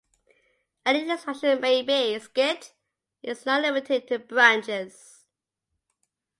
Any instruction may be skipped; it is not limited to branches.